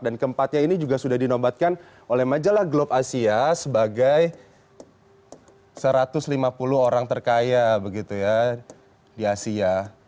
dan keempatnya ini juga sudah dinombatkan oleh majalah globe asia sebagai satu ratus lima puluh orang terkaya begitu ya di asia